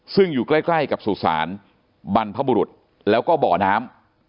ซึ่งอยู่ใกล้กับสุสานบรรพบุรุษแล้วก็บ่อน้ำ